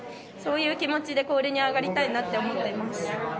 そういう気持ちで氷に上がりたいなと思っています。